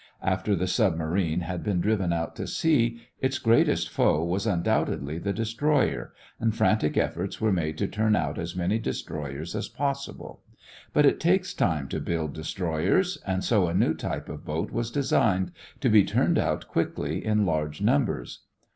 After the submarine had been driven out to sea its greatest foe was undoubtedly the destroyer, and frantic efforts were made to turn out as many destroyers as possible. But it takes time to build destroyers and so a new type of boat was designed, to be turned out quickly in large numbers.